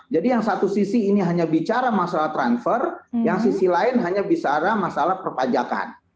jadi yang satu sisi ini hanya bicara masalah transfer yang sisi lain hanya bicara masalah perpajakan